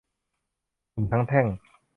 หนุ่มทั้งแท่ง